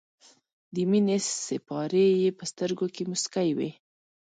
د مینې سېپارې یې په سترګو کې موسکۍ وې.